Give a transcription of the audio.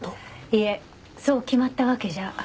いえそう決まったわけじゃ。